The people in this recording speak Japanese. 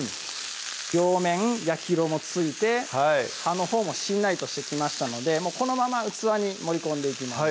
両面焼き色もついて葉のほうもしんなりとしてきましたのでこのまま器に盛りこんでいきます